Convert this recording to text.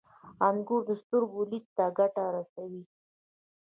• انګور د سترګو لید ته ګټه رسوي.